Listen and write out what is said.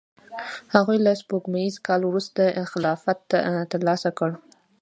هغوی له سپوږمیز کال وروسته خلافت ترلاسه کړ.